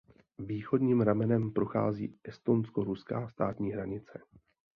Východním ramenem prochází estonsko–ruská státní hranice.